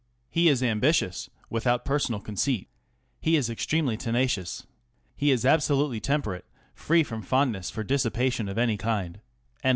He is ambitious, without personal conceit. He is extremely tenacious. He is absolutely temperate, free from fondness for dissipation of any kind.